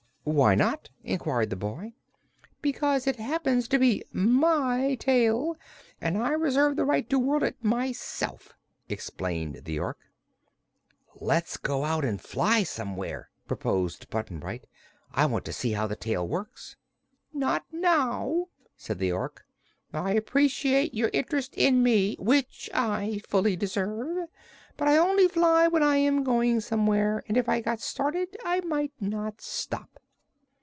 "Why not?" inquired the boy. "Because it happens to be my tail, and I reserve the right to whirl it myself," explained the Ork. "Let's go out and fly somewhere," proposed Button Bright. "I want to see how the tail works." "Not now," said the Ork. "I appreciate your interest in me, which I fully deserve; but I only fly when I am going somewhere, and if I got started I might not stop."